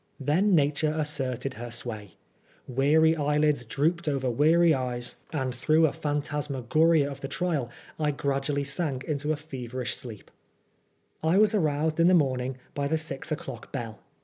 Then Nature aaaerieil lier sway. Weary eyelids drooped over weary eyea, nud 90 PBISONEB FOB BLASPHEMY. through a phantasmagoria of the trial I gradually sank into a feverish sleep. I was aroused in the morning by the six o'clock bell.